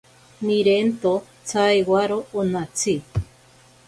Nirento tsaiwaro onatsi.